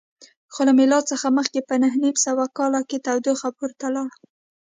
خو له میلاد څخه مخکې په نهه نیم سوه کال کې تودوخه پورته لاړه